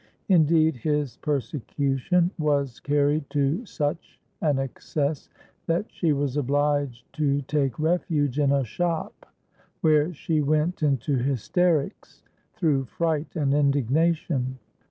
Indeed, his persecution was carried to such an excess, that she was obliged to take refuge in a shop, where she went into hysterics through fright and indignation.